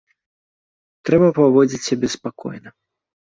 Трэба паводзіць сябе спакойна.